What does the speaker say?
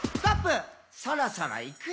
「そろそろいくよー」